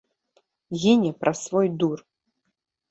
Гіне праз свой дур.